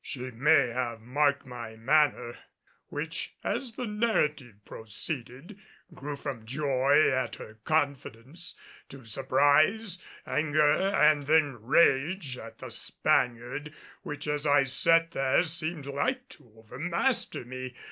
She may have marked my manner, which as the narrative proceeded, grew from joy at her confidence to surprise, anger and then rage at the Spaniard, which as I sat there seemed like to overmaster me.